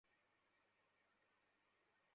আমি প্রতিদিনই দুনিয়ায় চিহ্ন রাখি।